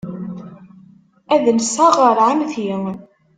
Ad nseɣ ɣer ɛemmti.